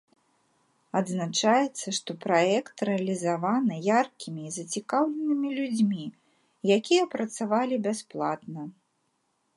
Адзначаецца, што праект рэалізаваны яркімі і зацікаўленымі людзьмі, якія працавалі бясплатна.